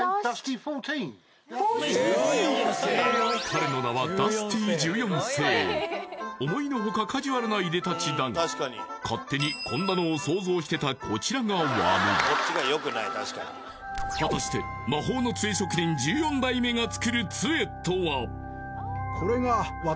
彼の名はダスティ１４世思いのほかカジュアルないでたちだが勝手にこんなのを想像してたこちらが悪い果たして魔法の杖職人１４代目が作る杖とは？